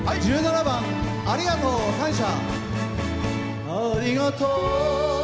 １７番「ありがとう感謝」。